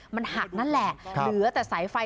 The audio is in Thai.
มันหักนั่นแหละเหลือแต่สายไฟ